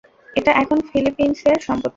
এটা এখন ফিলিপিন্সের সম্পত্তি।